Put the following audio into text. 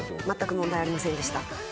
まったく問題ありませんでした。